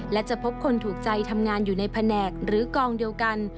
และจะพบคนถูกใจทำงานอยู่ในแผนกหรือกองเดียวกัน